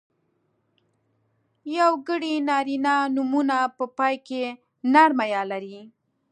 یوګړي نرينه نومونه په پای کې نرمه ی لري.